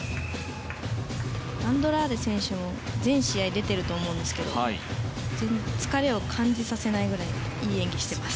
アンドラーデ選手も全試合出ていると思うんですけれども疲れを感じさせないぐらいいい演技をしています。